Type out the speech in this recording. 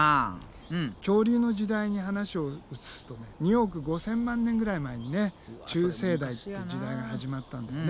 恐竜の時代に話を移すとね２億５，０００万年ぐらい前にね中生代っていう時代が始まったんだよね。